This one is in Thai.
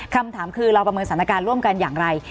คำถามคือเราประเมินสถานการณ์ร่วมกันอย่างไร